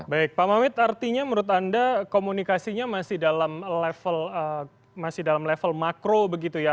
baik pak mamit artinya menurut anda komunikasinya masih dalam level makro begitu ya